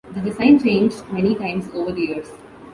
The design changed many times over the years.